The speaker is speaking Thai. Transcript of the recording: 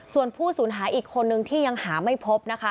ส่วนผู้สูญหายอีกคนนึงที่ยังหาไม่พบนะคะ